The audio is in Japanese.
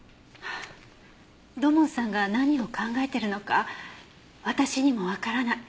土門さんが何を考えてるのか私にもわからない。